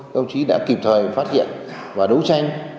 công chí đã kịp thời phát hiện và đấu tranh